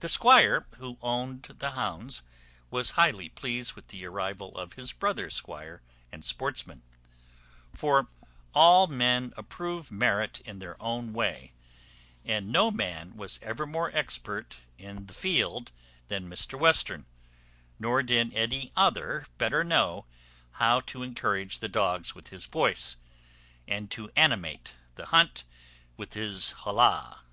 The squire who owned the hounds was highly pleased with the arrival of his brother squire and sportsman; for all men approve merit in their own way, and no man was more expert in the field than Mr Western, nor did any other better know how to encourage the dogs with his voice, and to animate the hunt with his holla.